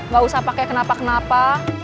gak usah pakai kenapa kenapa